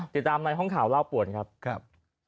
ติดตามในห้องข่าวเล่าป่วนครับ